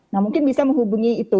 nah mungkin bisa menghubungi itu